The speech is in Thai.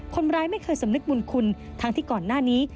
คนร้ายไม่เคยสำนึกบุญคุณทั้งที่ก่อนหน้านี้